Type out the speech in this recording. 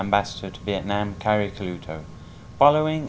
đại sứ đặc mệnh toàn quyền phần lan tại việt nam